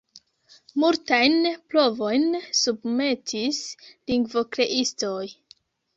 Multajn provojn submetis lingvokreistoj.